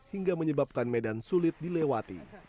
hingga menyebabkan medan sulit dilewati